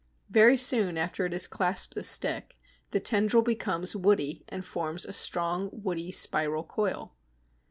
Very soon after it has clasped the stick the tendril becomes woody and forms a strong, woody, spiral coil.